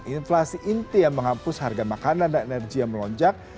inflasi inti yang menghapus harga makanan dan energi yang melonjak